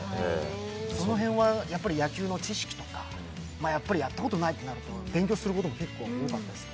その辺、野球の知識とかやったことないってなると、勉強することも結構多かったですか？